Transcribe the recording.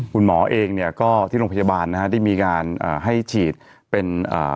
คุณหมอเองเนี่ยก็ที่โรงพยาบาลนะฮะได้มีการอ่าให้ฉีดเป็นอ่า